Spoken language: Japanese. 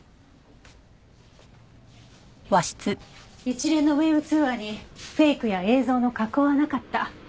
一連のＷｅｂ通話にフェイクや映像の加工はなかった。